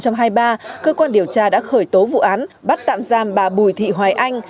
cơ quan điều tra đã khởi tố vụ án bắt tạm giam bà bùi thị hoài anh